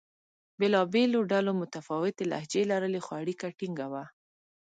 بېلابېلو ډلو متفاوتې لهجې لرلې؛ خو اړیکه ټینګه وه.